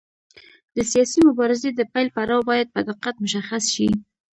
د سیاسي مبارزې د پیل پړاو باید په دقت مشخص شي.